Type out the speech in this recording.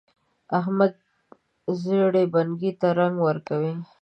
احمد زړې بنۍ ته رنګ ورکوي.